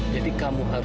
diam kamu di situ